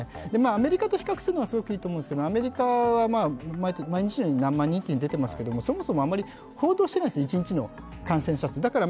アメリカと比較するのがすごくいいと思うんですが、アメリカは毎日のように何万人と出ていますけれども、そもそもあまり報道していないです、一日の感染者数。